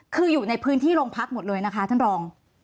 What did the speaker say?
คืออยู่ในพื้นที่โรงพักหมดเลยนะคะท่านรอง